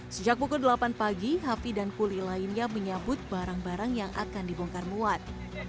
sejak pukul delapan pagi hafi dan kuli lainnya menyambut barang barang yang akan dibongkar muat